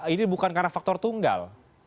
ini bukan karena faktor tunggal